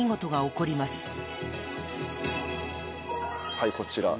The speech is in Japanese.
はいこちら。